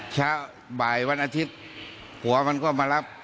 เช้าบ่ายวันอาทิตย์ผัวมันก็มารับ